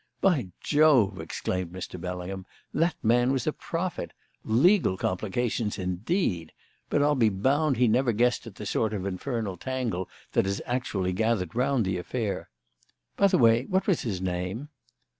"By Jove!" exclaimed Mr. Bellingham, "that man was a prophet! Legal complications, indeed! But I'll be bound he never guessed at the sort of infernal tangle that has actually gathered round the affair. By the way, what was his name?"